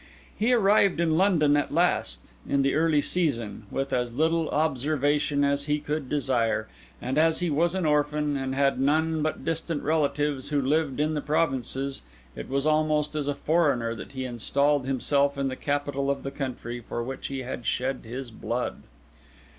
He arrived in London at last, in the early season, with as little observation as he could desire; and as he was an orphan and had none but distant relatives who lived in the provinces, it was almost as a foreigner that he installed himself in the capital of the country for which he had shed his blood.